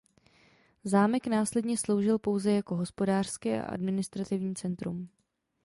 Zámek následně sloužil pouze jako hospodářské a administrativní centrum.